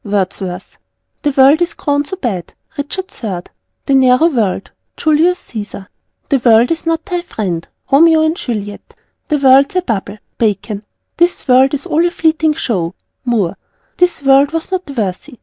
Wordsworth. "The World is grown so bad." Richard III. "The narrow World." Julius Cæsar. "The World is not thy friend." Romeo and Juliet. "The World's a bubble." Bacon. "This World is all a fleeting show." Moore. "The World was not worthy."